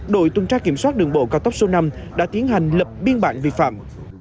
đội tuần tra kiểm soát đường bộ cao tốc số năm đã tiến hành lập biên bản vi phạm